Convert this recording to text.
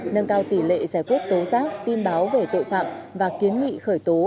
nâng cao tỷ lệ giải quyết tố giác tin báo về tội phạm và kiến nghị khởi tố